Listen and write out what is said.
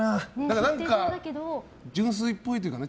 何か純粋っぽいっていうかね。